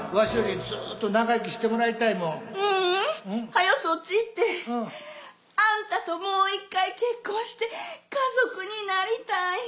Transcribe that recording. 早うそっち行ってあんたともう１回結婚して家族になりたい。